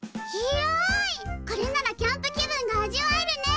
これならキャンプ気分が味わえるね！